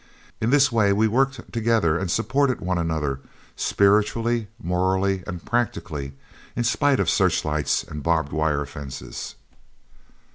In this way we worked together and supported one another spiritually, morally, and practically, in spite of searchlights and barbed wire fences.